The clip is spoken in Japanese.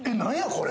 これ！